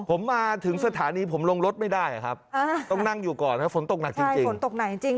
ผมมาถึงสถานีผมลงรถไม่ได้อะครับต้องนั่งอยู่ก่อนนะฝนตกหนักจริงจริง